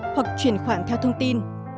hoặc chuyển khoản theo thông tin